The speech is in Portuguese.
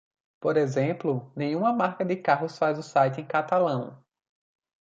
Por exemplo, nenhuma marca de carros faz o site em catalão.